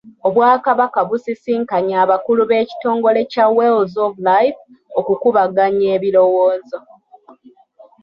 Obwakabaka busisinkanye abakulu b'ekitongole kya Wells of Life okukubaganya ebirowoozo.